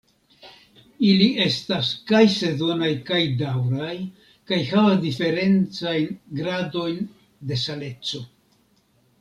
Ili estas kaj sezonaj kaj daŭraj, kaj havas diferencajn gradojn de saleco.